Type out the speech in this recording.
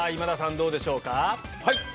どうでしょうか。